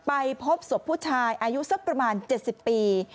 ไปพบศพผู้ชายอายุสักประมาณ๗๐ปี